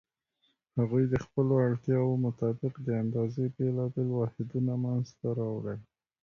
هغوی د خپلو اړتیاوو مطابق د اندازې بېلابېل واحدونه منځته راوړل.